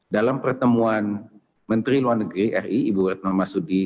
dalam pertemuan menteri luar negeri ri ibu retno marsudi